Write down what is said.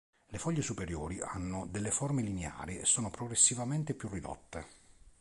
Le foglie superiori hanno delle forme lineari e sono progressivamente più ridotte.